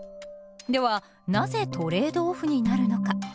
ではなぜトレード・オフになるのか？